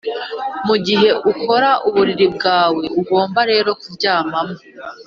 mugihe ukora uburiri bwawe, ugomba rero kuryamaho